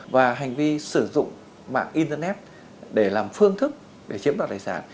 và hành vi sử dụng mạng internet để làm phương thức để chiếm đoạt tài sản